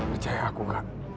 percaya aku kak